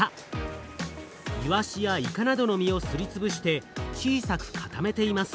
イワシやイカなどの身をすりつぶして小さく固めています。